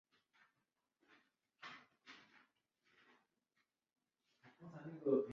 这种病态行为会导致感官上的幻觉及轻微至严重的紧张症。